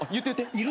いる？